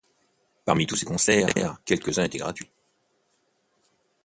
Parmi tous ces concert, quelques-uns étaient gratuits.